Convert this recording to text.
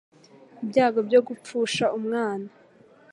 ibyago byo gupfusha umwana